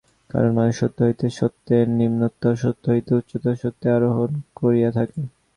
কারণ মানুষ সত্য হইতে সত্যে, নিম্নতর সত্য হইতে উচ্চতর সত্যে আরোহণ করিয়া থাকে।